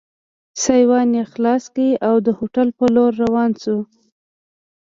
سایوان یې خلاص کړ او د هوټل په لور را روان شو.